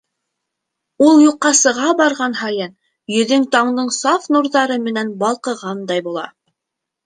Ул юҡҡа сыға барған һайын, йөҙөң таңдың саф нурҙары менән балҡығандай була!